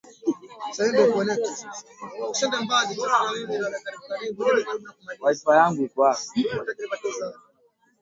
Rap ni vile unavyojua wakati hip hop ni vile unavyoishi Kama hatubadiliki basi hatukui